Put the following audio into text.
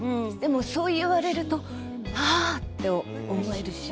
そう言われるとあぁ！と思えるし。